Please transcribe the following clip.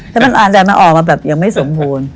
ให้มันอ่านแต่มันออกมาแบบยังไม่สมบูรณ์